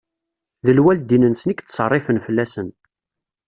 D lwaldin-nsen i yettṣerrifen fell-asen.